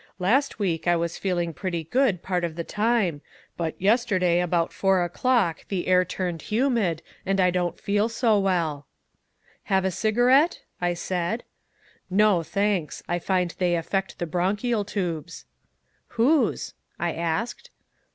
Last week I was feeling pretty good part of the time, but yesterday about four o'clock the air turned humid, and I don't feel so well." "Have a cigarette?" I said. "No, thanks; I find they affect the bronchial toobes." "Whose?" I asked.